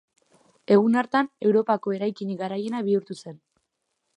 Egun hartan, Europako eraikinik garaiena bihurtu zen.